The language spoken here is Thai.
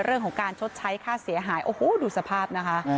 เรื่องของการชดใช้ค่าเสียหายโอ้โหดูสภาพนะคะ